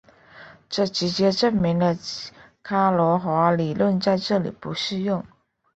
这直接证明了伽罗华理论在这里不适用。